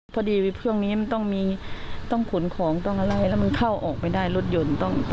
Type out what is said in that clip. พอดีเครื่องนี้มันต้องมีต้องขนของต้องอะไรแล้วมันเข้าออกไม่ได้รถยนต์